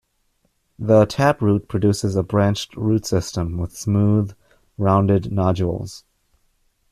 The tap root produces a branched root system with smooth, rounded nodules.